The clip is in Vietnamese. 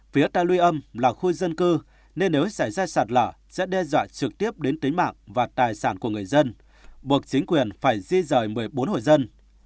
phía ta luy âm là khu dân cư nên nếu xảy ra sạt lở sẽ đe dọa trực tiếp đến tính mạng và tài sản của người dân buộc chính quyền phải di rời một mươi bốn hội dân